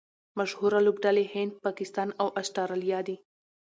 مشهوره لوبډلي هند، پاکستان او اسټرالیا دي.